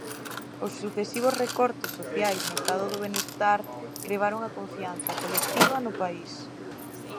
Os sucesivos recortes sociais no Estado do Benestar, crebaron a confianza colectiva no país.